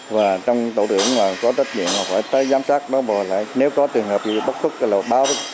và trong tổ trưởng có trách nhiệm phải tới giám sát nếu có trường hợp bị bắt khúc thì phải báo đến